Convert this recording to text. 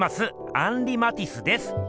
アンリ・マティスです。